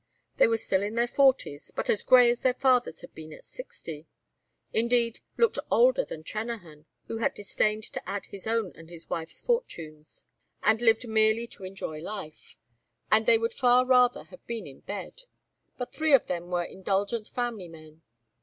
They were still in their forties, but as gray as their fathers had been at sixty; indeed, looked older than Trennahan, who had disdained to add to his own and his wife's fortunes, and lived merely to enjoy life; and they would far rather have been in bed. But three of them were indulgent family men.